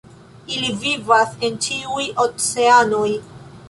Ili vivas en ĉiuj oceanoj.